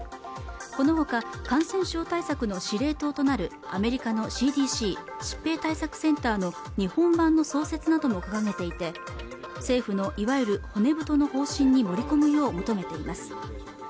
このほか感染症対策の司令塔となるアメリカのＣＤＣ＝疾病対策センターの日本版の創設なども掲げていて政府のいわゆる骨太の方針に盛り込むよう求めています